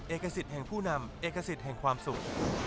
เอกศิษย์แห่งผู้นำเอกศิษย์แห่งความสุข